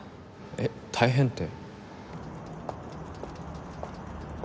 えっ大変って。